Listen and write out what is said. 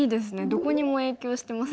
どこにも影響してますよね。